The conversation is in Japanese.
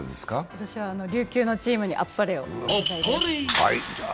私は琉球のチームにあっぱれをあげたいです。